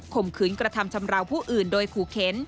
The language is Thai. มขืนกระทำชำราวผู้อื่นโดยขู่เข็น